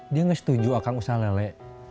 dia gak setuju akang usaha lele